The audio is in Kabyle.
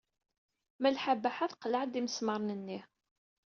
Malḥa Baḥa teqleɛ-d imesmaṛen-nni.